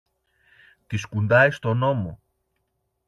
Τη σκουντάει στον ώμο